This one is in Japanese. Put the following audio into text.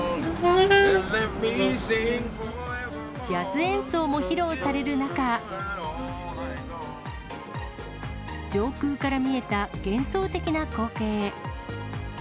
ジャズ演奏も披露される中、上空から見えた幻想的な光景。